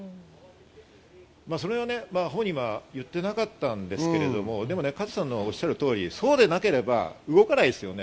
その辺は本人は言ってなかったんですけど、加藤さんがおっしゃる通り、そうでなければ動かないですよね。